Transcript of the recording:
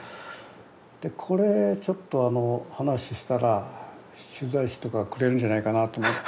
でこれちょっと話したら取材費とかくれるんじゃないかなと思って。